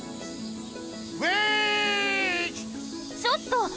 ちょっと！